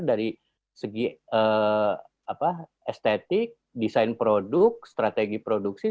dari segi estetik desain produk strategi produksi